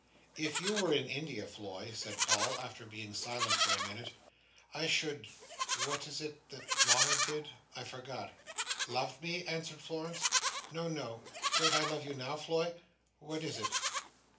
"If you were in India, Floy," said Paul, after being silent for a minute, "I should—what is it that Mama did? I forget." "Loved me!" answered Florence. "No, no. Don't I love you now, Floy? What is it?